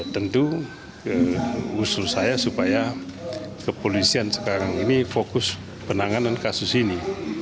tentu usul saya supaya kepolisian sekarang ini fokus penanganan kasus ini